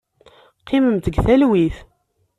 Qqimemt deg talwit.